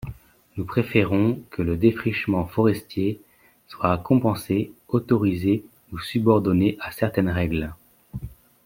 Nous préférons que le défrichement forestier soit compensé, autorisé, ou subordonné à certaines règles.